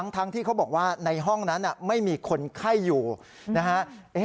ทั้งที่เขาบอกว่าในห้องนั้นไม่มีคนไข้อยู่นะฮะ